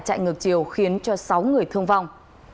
chạy ngược chiều khiến cho sáu người thương vong